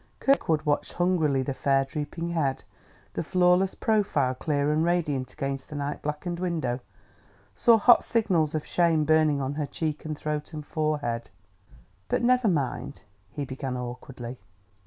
Kirkwood, watching hungrily the fair drooping head, the flawless profile clear and radiant against the night blackened window, saw hot signals of shame burning on her cheek and throat and forehead. "But never mind," he began awkwardly.